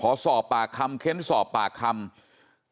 ทำให้สัมภาษณ์อะไรต่างนานไปออกรายการเยอะแยะไปหมด